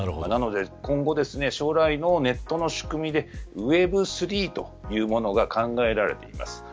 なので今後将来のネットの仕組みでＷｅｂ３というものが考えられています。